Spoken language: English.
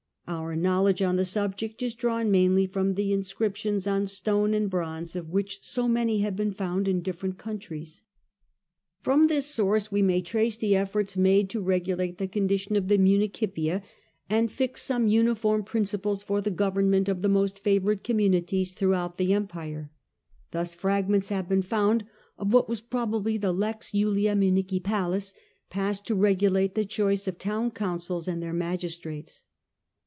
Our knowledge on the subject is drawn mainly from the Fuller ^ inscriptions on stone and bronze of which so the^nscrip ^t^ny have been found in different countries, tions. From this source we may trace the efforts made to regulate the condition of the miinicipia^ and to fix some uniform principles for the government of the most favoured communities throughout the Empire. Thus, fragments have been found of what was probably the Lex Julia Municipalise passed to regulate the choice of town councils and their magistrates.